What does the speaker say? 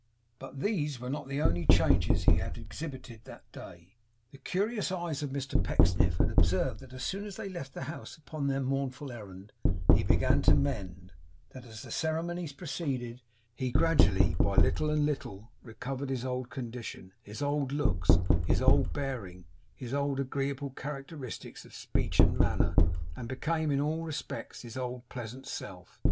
But these were not the only changes he had exhibited that day. The curious eyes of Mr Pecksniff had observed that as soon as they left the house upon their mournful errand, he began to mend; that as the ceremonies proceeded he gradually, by little and little, recovered his old condition, his old looks, his old bearing, his old agreeable characteristics of speech and manner, and became, in all respects, his old pleasant self.